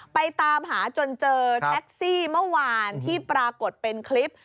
ไปตามหาจนเจอแท็กซี่เมื่อวานที่ปรากฏเป็นคลิป